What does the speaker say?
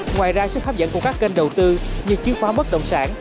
ngoài ra sức hấp dẫn của các kênh đầu tư như chìa khóa mất động sản